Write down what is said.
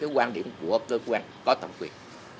tôi không đồng ý với quan điểm của cơ quan có thẩm quyền